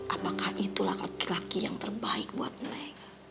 apakah itulah laki laki yang terbaik buat mereka